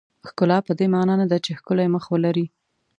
ښکلا پدې معنا نه ده چې ښکلی مخ ولرئ.